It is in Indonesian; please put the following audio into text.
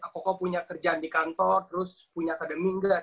aku kok punya kerjaan di kantor terus punya akademi enggak